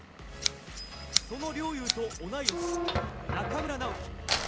その陵侑と同い年、中村直幹。